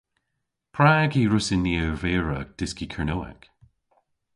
Prag y hwrussyn ni ervira dyski Kernewek?